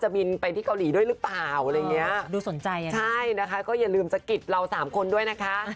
บินไปที่เกาหลีด้วยหรือเปล่าอะไรอย่างเงี้ยดูสนใจอ่ะใช่นะคะก็อย่าลืมสะกิดเราสามคนด้วยนะคะ